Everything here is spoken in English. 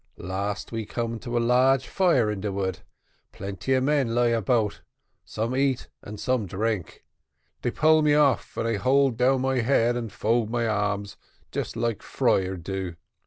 Last we come to large fire in de wood, plenty of men lie 'bout, some eat and some drink. They pull me off, and I hold down my head and fold my arms, just like friar do.